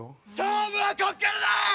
勝負はここからだ。